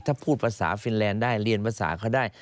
ถ้าพูดภาษาฟินแลนด์ได้เรียนภาษาเขาได้